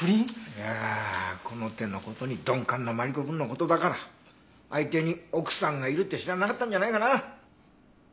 いやこの手の事に鈍感なマリコくんの事だから相手に奥さんがいるって知らなかったんじゃないかな。